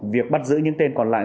việc bắt giữ những tên còn lại